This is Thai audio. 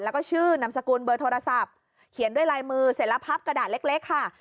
แล้วก็ชื่อนามสกุลเบอร์โทรศัพท์เขียนด้วยลายมือเสร็จแล้วพับกระดาษเล็กค่ะ